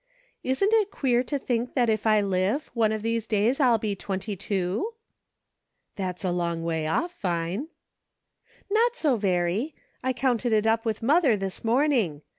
Isn't it queer to think that if I live, one of these days I'll be twenty two .'" "That's a long way off. Vine." " Not so very. I counted it up with mother this morning.